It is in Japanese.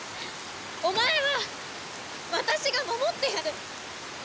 お前は私が守ってやる！